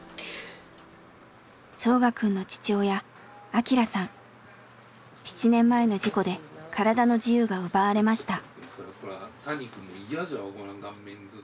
ソウガくんの７年前の事故で体の自由が奪われました。